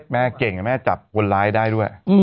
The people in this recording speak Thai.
แม่เก่งแม่จับคนร้ายได้ด้วย